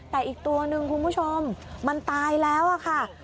แต่อีกตัวหนึ่งคุณผู้ชมมันตายแล้วค่ะ